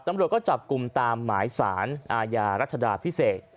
ตำรวจก็จับกลุ่มตามหมายสารอาญารัชดาพิเศษ